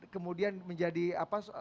kemudian menjadi apa